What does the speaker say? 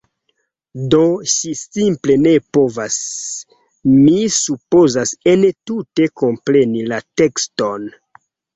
Do, ŝi simple ne povas... mi supozas entute kompreni la tekston